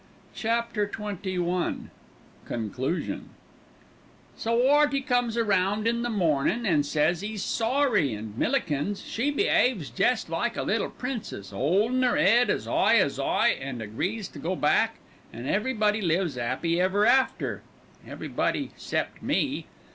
CHAPTER XXI CONCLUSION "So 'Earty comes round in the mornin' an' says 'e's sorry, an' Millikins she be'aves jest like a little princess, 'oldin' 'er 'ead as 'igh as 'igh, an' agrees to go back, an' everybody lives 'appy ever after, everybody 'cept me.